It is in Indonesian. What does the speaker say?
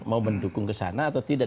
mau mendukung kesana atau tidak